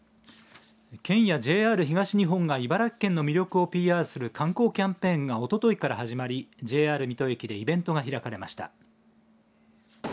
県やＪＲ東日本が茨城県の魅力をＰＲする観光キャンペーンがおとといから始まりＪＲ水戸駅でイベントが開かれました。